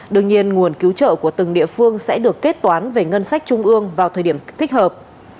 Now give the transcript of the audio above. đương nhiên nguồn cứu trợ của từng địa phương sẽ được kết toán về ngân sách trung ương vào thời điểm thích hợp